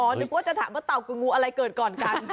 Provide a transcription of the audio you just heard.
นึกว่าจะถามว่าเต่ากับงูอะไรเกิดก่อนกัน